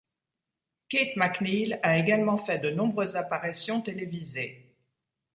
Kate McNeil a également fait de nombreuses apparitions télévisées.